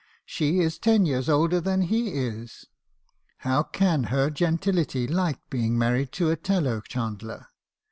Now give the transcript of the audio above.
She is ten years older than he is ! How can her gentility like being married to a tallow chandler?